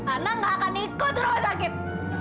ana tidak akan ikut ke rumah sakit